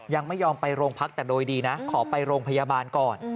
ยังไม่ยอมไปโรงพักแต่โดยดีนะขอไปโรงพยาบาลก่อน